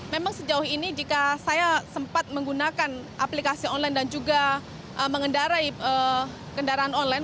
memang sejauh ini jika saya sempat menggunakan aplikasi online dan juga mengendarai kendaraan online